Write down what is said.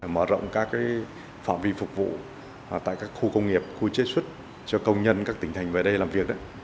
mở rộng các phạm vi phục vụ tại các khu công nghiệp khu chế xuất cho công nhân các tỉnh thành về đây làm việc